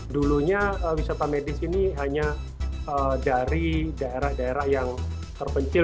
dulunya wisata medis ini hanya dari daerah daerah yang terpencil